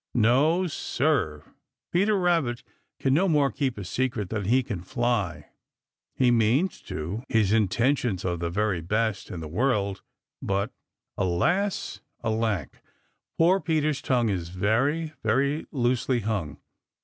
No, Sir, Peter Rabbit can no more keep a secret than he can fly. He means to. His intentions are the very best in the world, but Alas! alack! poor Peter's tongue Is very, very loosely hung.